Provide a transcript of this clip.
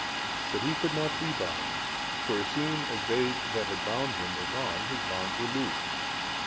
But he could not be bound, for as soon as they that bound him were gone, his bonds were loosed.